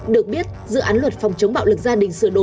được biết dự án luật phòng chống bạo lực gia đình